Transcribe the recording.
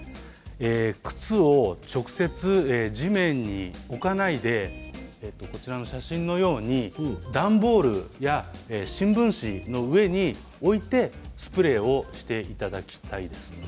靴を直接地面に置かないで写真のように段ボールや新聞紙の上に置いてスプレーをしていただきたいです。